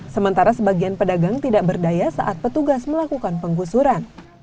sementara sebagian pedagang tidak berdaya saat petugas melakukan penggusuran